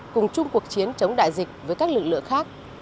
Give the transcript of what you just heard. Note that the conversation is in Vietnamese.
cùng chung cuộc chiến chống đại dịch với các lực lượng khác